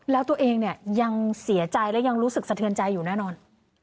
แล้วตัวเองเนี่ยยังเสียใจและยังรู้สึกสะเทือนใจอยู่แน่นอน